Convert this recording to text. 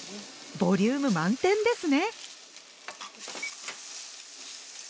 ボリューム満点ですね。